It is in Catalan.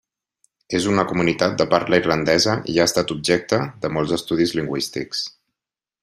És una comunitat de parla irlandesa i ha estat objecte de molts estudis lingüístics.